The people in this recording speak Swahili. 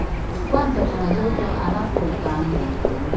Kwanza kuna joto, halafu ukame.